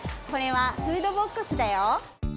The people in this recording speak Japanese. これは「フードボックス」だよ！